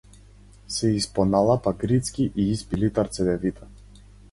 Се испоналапа грицки и испи литар цедевита.